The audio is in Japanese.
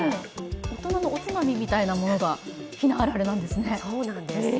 大人のおつまみみたいなものがひなあられなんですね。